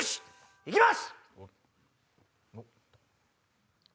行きます！